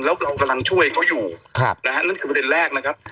แล้วเรากำลังช่วยเขาอยู่นั่นคือประเด็นแรกนะครับ